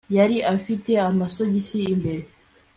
yari afite amasogisi imbere